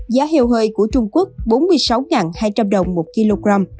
giá heo hơi của trung quốc bốn mươi sáu hai trăm linh đồng một kg